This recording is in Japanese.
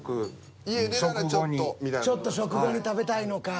ちょっと食後に食べたいのか。